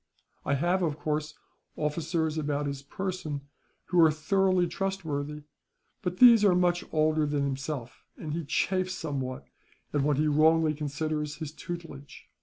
I have of course, officers about his person who are thoroughly trustworthy; but these are much older than himself, and he chafes somewhat at what he wrongly considers his tutelage.